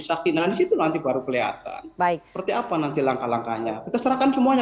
sakinan situ nanti baru kelihatan baik seperti apa nanti langkah langkahnya terserahkan semuanya